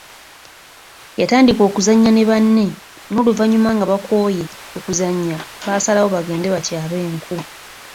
Yatandika okuzannya ne banne n’oluvanyuma nga bakooye okuzannya baasalawo bagende batyabe enku.